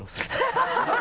ハハハ